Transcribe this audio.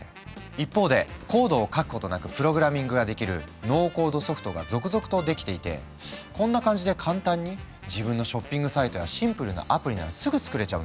一方でコードを書くことなくプログラミングができる「ノーコードソフト」が続々と出来ていてこんな感じで簡単に自分のショッピングサイトやシンプルなアプリならすぐ作れちゃうんだって。